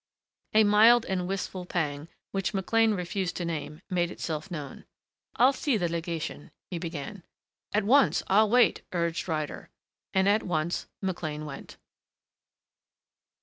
A mild and wistful pang, which McLean refused to name, made itself known. "I'll see the legation," he began. "At once. I'll wait," urged Ryder. And at once McLean went.